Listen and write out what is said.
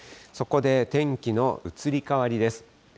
そこで天気の移り変わりです。